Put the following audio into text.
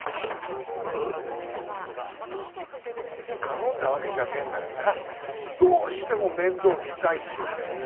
頼んだわけじゃねえんだがなどうしても面倒見たいって言うから。